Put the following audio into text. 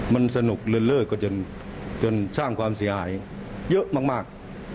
มันสนุกเรื่อยกว่าจนสร้างความเสียหายเยอะมาก